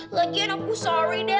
lagian aku sorry deh